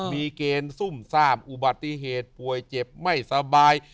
มีเกณฑ์ซุ่มซ่ามอุบัติเหตุป่วยเจ็บไม่สบาย